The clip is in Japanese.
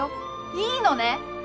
いいのね？